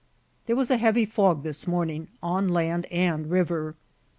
There was a heavy fog this morning, on land and river.